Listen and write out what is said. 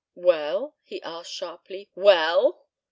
"Well?" he asked sharply. "Well?"